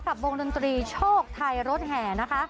กับวงดนตรีโชคไทยรถแห่นะคะ